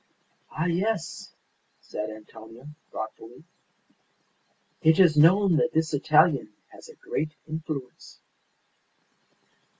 "Ah, yes!" said Antonia, thoughtfully. "It is known that this Italian has a great influence."